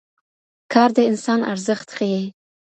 کار د انسان ارزښت ښيي.